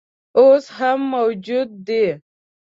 اوس هم موجود دی.